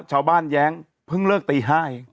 ชาวบ้านแย้งเพิ่งเลิกตีไห้